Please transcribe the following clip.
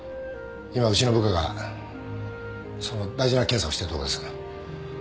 今うちの部下がその大事な検査をしてるとこです。